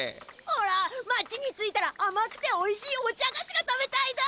おら町に着いたらあまくておいしいおちゃがしが食べたいだ。